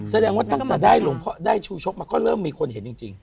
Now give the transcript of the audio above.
แสดงว่าตั้งแต่ได้ชูโชกมาก็เริ่มมีคนเห็นจริง